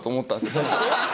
最初。